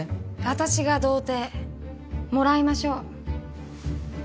私が童貞もらいましょう。